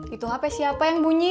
itu apa siapa yang bunyi